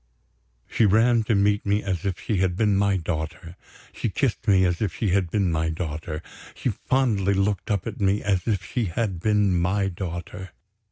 She ran to meet me as if she had been my daughter; she kissed me as if she had been my daughter; she fondly looked up at me as if she had been my daughter.